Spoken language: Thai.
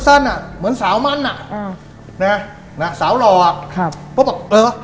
สั้นน่ะเหมือนสาวมั่นน่ะอืมน่ะน่ะสาวหล่อครับเขาบอกเออ